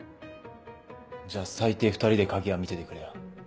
じゃあ最低２人で鍵は見ててくれよ。